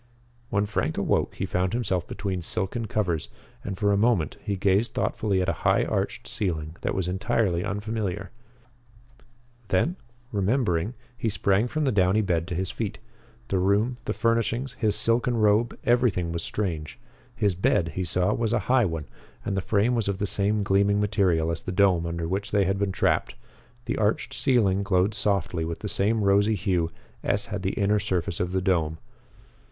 When Frank awoke he found himself between silken covers, and for a moment he gazed thoughtfully at a high arched ceiling that was entirely unfamiliar. Then, remembering, he sprang from the downy bed to his feet. The room, the furnishings, his silken robe, everything was strange. His bed, he saw, was a high one, and the frame was of the same gleaming silver as the dome under which they had been trapped. The arched ceiling glowed softly with the same rosy hue as had the inner surface of the dome.